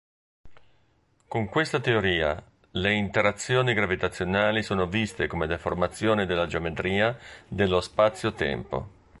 Con questa teoria, le interazioni gravitazionali sono viste come deformazioni della geometria dello spazio-tempo.